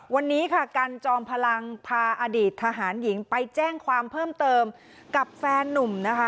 วันนี้ค่ะกันจอมพลังพาอดีตทหารหญิงไปแจ้งความเพิ่มเติมกับแฟนนุ่มนะคะ